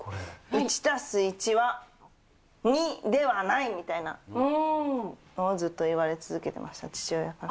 １＋１は２ではないみたいなのをずっと言われ続けてました、父親に。